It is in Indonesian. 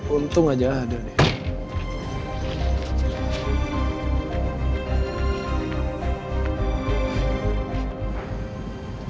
untung aja ada deh